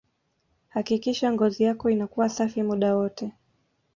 hakikisha ngozi yako inakuwa safi muda wote